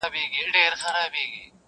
مقرر سوه دواړه سم یوه شعبه کي.